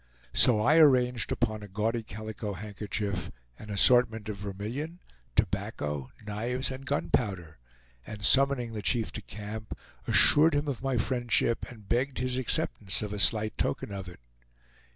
So I arranged upon a gaudy calico handkerchief, an assortment of vermilion, tobacco, knives, and gunpowder, and summoning the chief to camp, assured him of my friendship and begged his acceptance of a slight token of it.